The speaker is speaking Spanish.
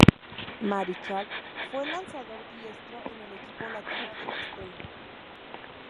Marichal fue el lanzador diestro en el equipo latino de Stein.